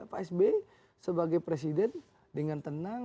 pak sby sebagai presiden dengan tenang